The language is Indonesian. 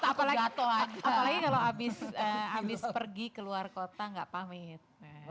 apalagi kalau habis pergi ke luar kota gak pamit